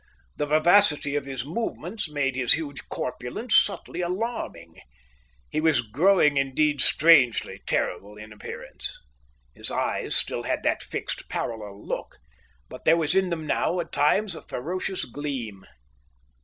The vivacity of his movements made his huge corpulence subtly alarming. He was growing indeed strangely terrible in appearance. His eyes had still that fixed, parallel look, but there was in them now at times a ferocious gleam.